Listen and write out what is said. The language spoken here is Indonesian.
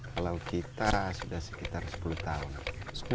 kalau kita sudah sekitar sepuluh tahun